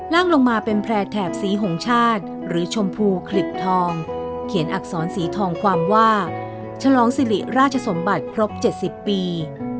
ลงมาเป็นแพร่แถบสีหงชาติหรือชมพูขลิบทองเขียนอักษรสีทองความว่าฉลองสิริราชสมบัติครบ๗๐ปี